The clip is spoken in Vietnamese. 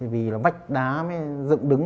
vì là bách đá mới dựng đứng